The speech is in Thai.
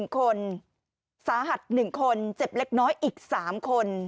๑คนสาหัส๑คนเจ็บเล็กน้อยอีก๓คน